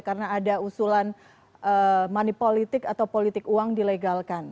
karena ada usulan money politik atau politik uang dilegalkan